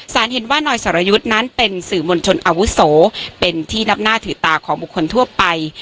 เห็นว่านายสรยุทธ์นั้นเป็นสื่อมวลชนอาวุโสเป็นที่นับหน้าถือตาของบุคคลทั่วไป